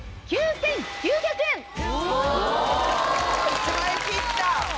１万円切った！